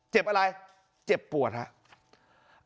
เจ็บอะไรเจ็บปวดครับ